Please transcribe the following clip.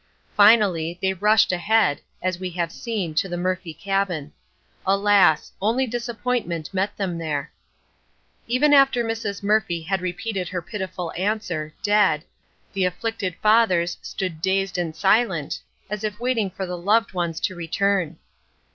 Finally, they rushed ahead, as we have seen, to the Murphy cabin. Alas! only disappointment met them there. Even after Mrs. Murphy had repeated her pitiful answer, "Dead," the afflicted fathers stood dazed and silent, as if waiting for the loved ones to return.